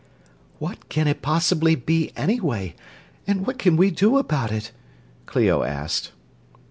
"What can it possibly be, anyway, and what can we do about it?" Clio asked.